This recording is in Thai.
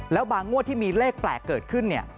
แล้วบางงวดที่มีเลขแปลกเกิดขึ้นเนี่ย